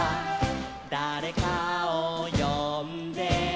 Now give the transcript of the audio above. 「だれかをよんで」